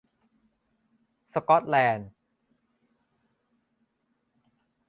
สกอตแลนด์